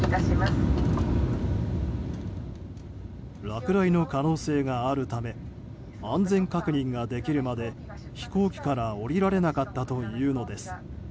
落雷の可能性があるため安全確認ができるまで飛行機から降りられなかったというのです。